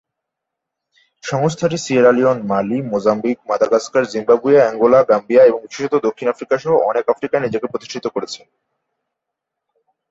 সংস্থাটি Sierra Leone, Mali, Mozambique, Madagascar, Zimbabwe, Angola, Gambia এবং বিশেষত দক্ষিণ আফ্রিকা সহ অনেক আফ্রিকায় নিজেকে প্রতিষ্ঠিত করেছে।